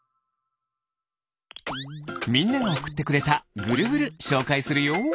みんながおくってくれたぐるぐるしょうかいするよ。